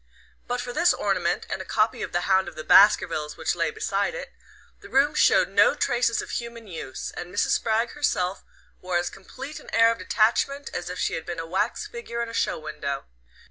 But for this ornament, and a copy of "The Hound of the Baskervilles" which lay beside it, the room showed no traces of human use, and Mrs. Spragg herself wore as complete an air of detachment as if she had been a wax figure in a show window.